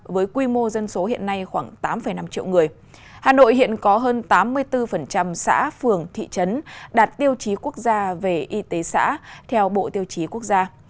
với quy mô dân số hiện nay khoảng tám năm triệu người hà nội hiện có hơn tám mươi bốn xã phường thị trấn đạt tiêu chí quốc gia về y tế xã theo bộ tiêu chí quốc gia